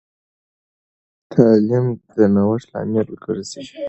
تعلیم د نوښت لامل ګرځي.